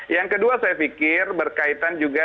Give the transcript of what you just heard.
yang kedua saya pikir berkaitan juga